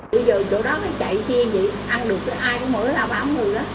bây giờ chỗ đó nó chạy xe như vậy ăn được cái ai cũng mỗi lần là ba mươi người đó